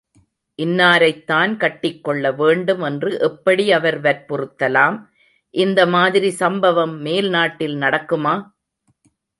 இன்னாரைத்தான் கட்டிக்கொள்ள வேண்டும் என்று எப்படி அவர் வற்புறுத்தலாம், இந்த மாதிரி சம்பவம் மேல் நாட்டில் நடக்குமா?